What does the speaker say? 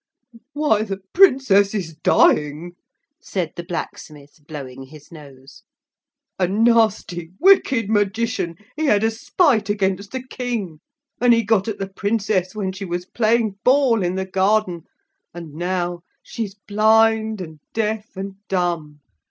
'Why the Princess is dying,' said the blacksmith blowing his nose. 'A nasty, wicked magician he had a spite against the King, and he got at the Princess when she was playing ball in the garden, and now she's blind and deaf and dumb.